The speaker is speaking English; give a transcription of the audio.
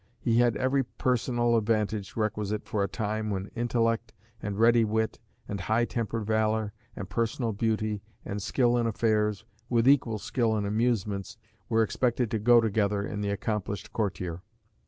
He had every personal advantage requisite for a time when intellect, and ready wit, and high tempered valour, and personal beauty, and skill in affairs, with equal skill in amusements, were expected to go together in the accomplished courtier.